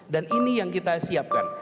dan ini yang kita siapkan